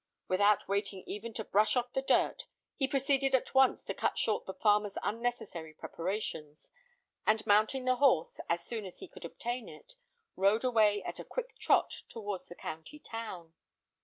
Without waiting even to brush off the dirt, he proceeded at once to cut short the farmer's unnecessary preparations, and mounting the horse, as soon as he could obtain it, rode away at a quick trot towards the county town.